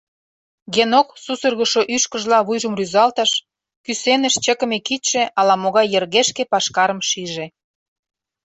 Генок сусыргышо ӱшкыжла вуйжым рӱзалтыш, кӱсеныш чыкыме кидше ала-могай йыргешке пашкарым шиже.